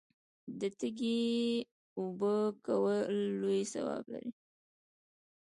د تږي اوبه کول لوی ثواب لري.